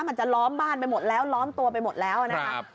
มันจะล้อมบ้านไปหมดแล้วล้อมตัวไปหมดแล้วนะครับ